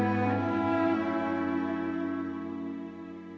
ketika dia menemukan solusi dia menemukan solusi